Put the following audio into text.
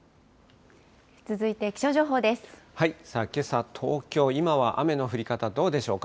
けさ、東京、今は雨の降り方、どうでしょうか。